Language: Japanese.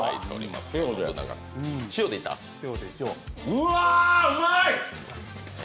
うわーっ、うまい！